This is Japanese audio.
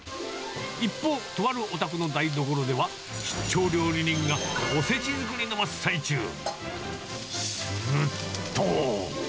一方、とあるお宅の台所では、出張料理人がおせち作りの真っ最中。